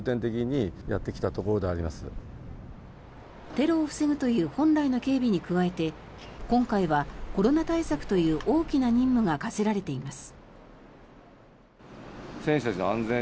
テロを防ぐという本来の警備に加えて今回はコロナ対策という大きな任務が課せられています。